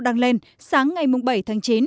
đang lên sáng ngày bảy tháng chín